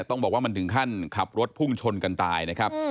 ต้องบอกว่ามันถึงขั้นขับรถพุ่งชนกันตายนะครับ